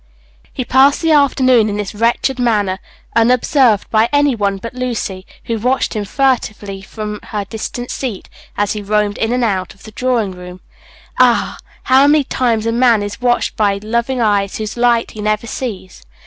He passed the afternoon in this wretched Page 43 manner, unobserved by any one but Lucy, who watched him furtively from her distant seat, as he roamed in and out of the drawing room. Ah! how many a man is watched by loving eyes whose light he never sees!